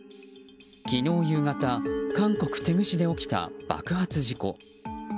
昨日夕方韓国テグ市で起きた爆発事故。